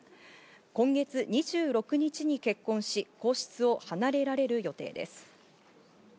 今月２６日に結婚し、皇室を離れられる予定です。